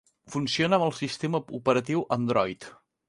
Funciona amb el sistema operatiu Android.